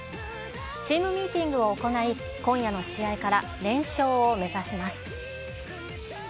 チームミーティングを行い、今夜の試合から連勝を目指します。